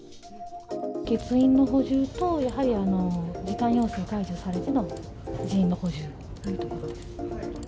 欠員の補充とやはり時短要請解除されての人員の補充というところです。